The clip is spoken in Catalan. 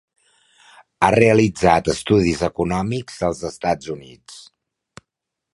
Ha realitzat estudis econòmics als Estats Units.